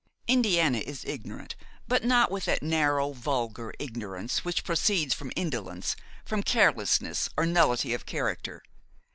Indiana is ignorant, but not with that narrow, vulgar ignorance which proceeds from indolence, from carelessness or nullity of character.